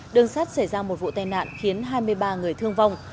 đường sắt xảy ra một vụ tai nạn khiến hai mươi ba người thương vong